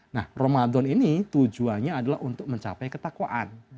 nah ramadan ini tujuannya adalah untuk mencapai ketakwaan